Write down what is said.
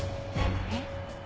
えっ？